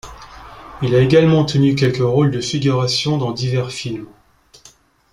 Il a également tenu quelques rôles de figuration dans divers films.